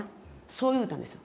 そう言うたんですよ。